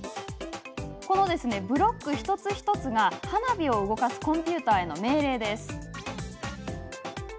このブロック一つ一つが花火を動かすコンピューターへの命令です。